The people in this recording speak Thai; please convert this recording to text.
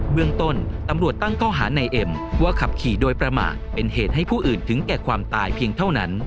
เมืองต้นตำรวจตั้งข้อหานายเอ็มว่าขับขี่โดยประมาทเป็นเหตุให้ผู้อื่นถึงแก่ความตายเพียงเท่านั้น